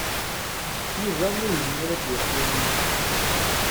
Yuba ur yezmir ara ad yaf Yamina.